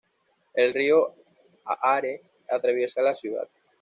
El río Aare atraviesa la ciudad.